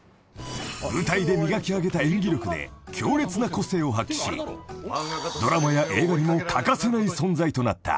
［舞台で磨き上げた演技力で強烈な個性を発揮しドラマや映画にも欠かせない存在となった］